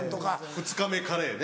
２日目カレーね。